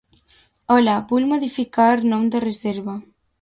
Hola, vull modificar nom de reserva.